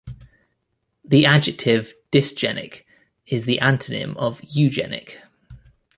The adjective "dysgenic" is the antonym of "eugenic".